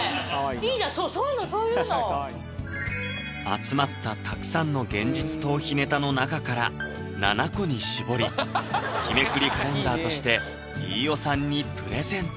いいじゃん集まったたくさんの「現実逃避ネタ」の中から７個に絞り日めくりカレンダーとして飯尾さんにプレゼント